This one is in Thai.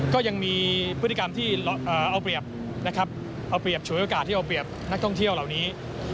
ก็ยังมีพฤติกรรมช่วยโอกาสที่เอาเปรียบนักท่องเที่ยวเหล่านี้